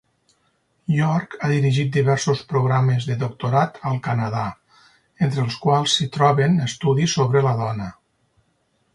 York ha dirigit diversos programes de doctorat al Canadà, entre els quals s'hi troben estudis sobre la dona.